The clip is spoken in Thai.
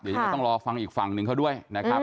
เดี๋ยวยังไงต้องรอฟังอีกฝั่งหนึ่งเขาด้วยนะครับ